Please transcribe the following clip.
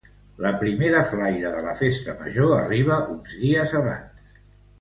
la primera flaire de la festa major arriba uns dies abans